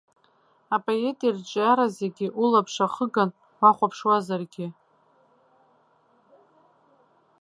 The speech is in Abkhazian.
Апоет ирҿиара зегьы улаԥш ахыган уахәаԥшуазаргьы.